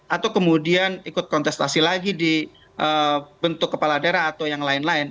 atau kemudian ikut kontestasi lagi di bentuk kepala daerah atau yang lain lain